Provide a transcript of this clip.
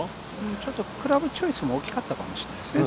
ちょっとクラブチョイスも大きかったかもしれないね。